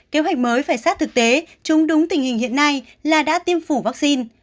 kế hoạch mới phải sát thực tế chúng đúng tình hình hiện nay là đã tiêm phủ vaccine